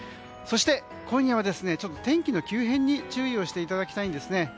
そして今夜は天気の急変に注意していただきたいんですね。